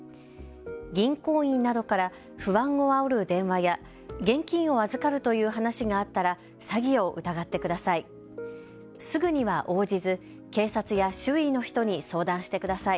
銀行員などから不安をあおる電話や現金を預かるという話があったら詐欺を疑ってください。